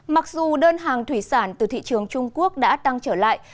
mặc dù đơn hàng thủy sản từ thị trường trung quốc đã tăng trở lại